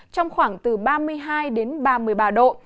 trong khoảng từ ba mươi hai đến ba mươi ba độ